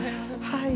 はい。